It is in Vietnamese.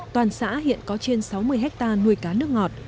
toàn xã hiện có trên sáu mươi hectare nuôi cá nước ngọt